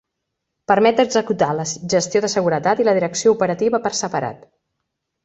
Permet executar la gestió de seguretat i la direcció operativa per separat.